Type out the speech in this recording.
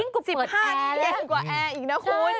๑๕เย็นกว่าแอร์อีกนะคุณ